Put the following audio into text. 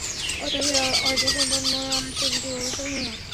অতএব হে আর্যসন্তানগণ, আর সে-দিকে অগ্রসর হইও না।